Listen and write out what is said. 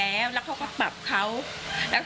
เป็นตำรวจเก่าอิทธิพล